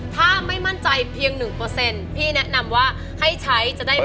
ถ้าไม่มั่นใจเพียงหนึ่งเปอร์เซ็นต์พี่แนะนำว่าให้ใช้จะได้ไม่เสียใจทีหลัง